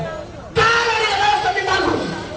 kalau dikenal seperti kamu